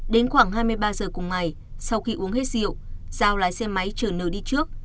đến khoảng hai mươi ba h cùng ngày sau khi uống hết rượu zhao lái xe máy chở nờ đi trước